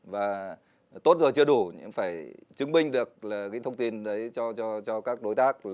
và tốt rồi chưa đủ nhưng phải chứng minh được là cái thông tin đấy cho các đối tác